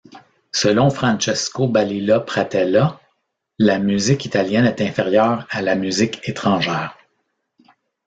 Selon Francesco Balilla Pratella, la musique italienne est inférieure à la musique étrangère.